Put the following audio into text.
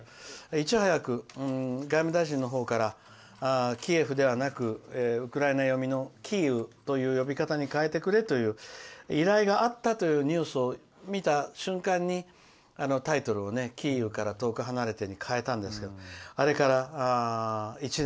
いち早く外務大臣の方からキエフではなくウクライナ読みのキーウという読み方に変えてくれという依頼があったというニュースを見た瞬間タイトルを「キーウから遠く離れて」に変えたんですけどあれから１年。